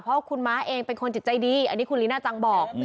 เพราะคุณม้าเองเป็นคนจิตใจดีอันนี้คุณลีน่าจังบอก